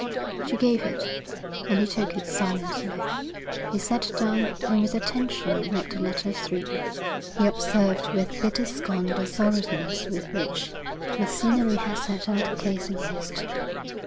She gave it, and he took it silently. He sat down and with attention read the letter through. He observed with bitter scorn the thoroughness with which Macinnery had set out the case against him.